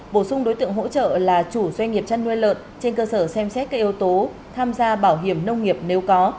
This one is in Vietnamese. bổ sung đối tượng hỗ trợ là chủ doanh nghiệp chăn nuôi lợn trên cơ sở xem xét các yếu tố tham gia bảo hiểm nông nghiệp nếu có